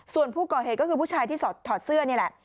ส่วนผู้ก่อเหตุก็คือผู้ชายที่ถอดเสื้อนี่แหละ